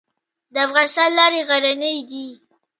د افغانستان لارې غرنۍ دي